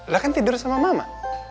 lah kan tidur sama mama